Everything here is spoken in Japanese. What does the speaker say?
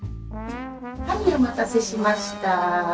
はいお待たせしました。